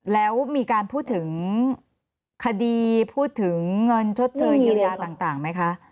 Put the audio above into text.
แล้วมีการพูดถึงคดีพูดถึงเงินชดเชยเยียวยาต่างไหมคะ